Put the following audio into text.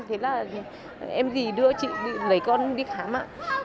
thế là em gì đưa chị lấy con đi khám ạ